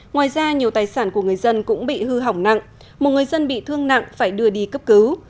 ngoài ra nhiều tài sản của người dân cũng bị hư hỏng nặng một người dân bị thương nặng phải đưa đi cấp cứu